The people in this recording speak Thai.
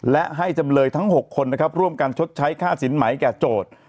และให้จำเลยทั้ง๖คนนะครับร่วมกันชดใช้ค่าสินไหมแก่โจทย์